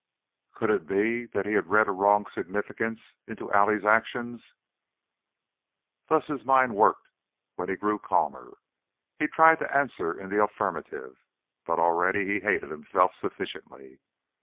Could it be that he had read a wrong significance into Allie's actions? Thus his mind worked when he grew calmer. He tried to answer in the affirmative, but already he hated himself sufficiently.